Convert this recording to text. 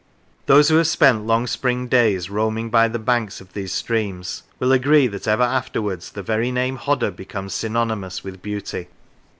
Those who have spent long spring days roaming by the banks of these streams will agree that ever afterwards the very name Hodder becomes synonymous with beauty.